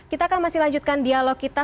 kita akan masih lanjutkan dialog kita